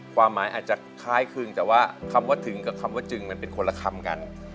ความหมายอาจจะคล้ายคลึงแต่ว่าคำว่าถึงกับคำว่าจึงมันเป็นคนละคำกัน